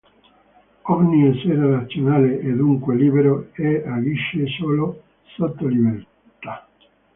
Ogni essere razionale è dunque libero e agisce solo sotto libertà.